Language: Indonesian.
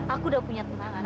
aku udah punya tunangan